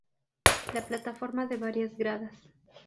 La plataforma de varias gradas.